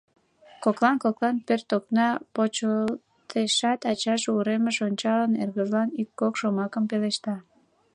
Коклан-коклан пӧрт окна почылтешат, ачаже, уремыш ончалын, эргыжлан ик-кок шомакым пелешта: